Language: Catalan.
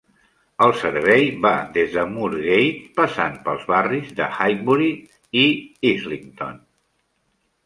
El servei va des de Moorgate passant pels barris de Highbury i Islington.